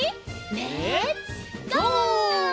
レッツゴー！